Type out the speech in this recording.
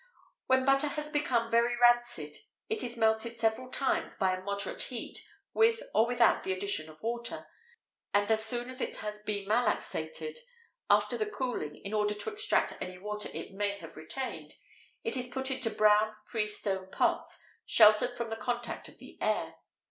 When butter has become very rancid, it is melted several times by a moderate heat, with or without the addition of water, and, as soon as it has been malaxated, after the cooling, in order to extract any water it may have retained, it is put into brown freestone pots, sheltered from the contact of the air.